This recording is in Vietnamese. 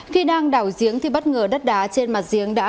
khi đang đảo giếng thì bất ngờ đất đá trên mặt giếng đã xảy ra